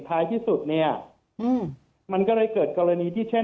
ท้ายที่สุดเนี่ยมันก็เลยเกิดกรณีที่เช่น